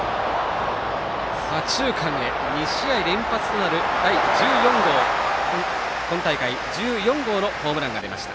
左中間へ２試合連発となる今大会、１４号のホームランが出ました。